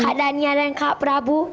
kak daniel dan kak prabu